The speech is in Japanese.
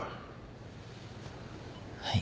はい。